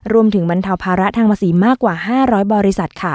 บรรเทาภาระทางภาษีมากกว่า๕๐๐บริษัทค่ะ